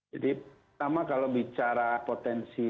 jadi pertama kalau bicara potensi